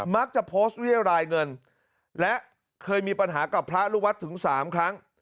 มักจะโพสต์เรียรายเงินและเคยมีปัญหากับพระลูกวัดถึง๓ครั้ง